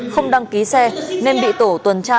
không đăng ký xe nên bị tổ tuần tra